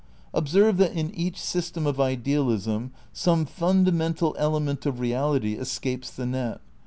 Observe that in each system of Idealism some funda mental element of reality escapes the net.